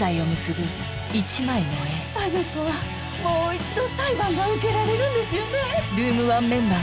あの子はもう一度裁判が受けられるんですよね？